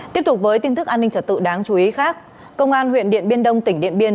tiếp tục với tin tức an ninh trở tự đáng chú ý khác công an huyện điện biên đông tỉnh điện biên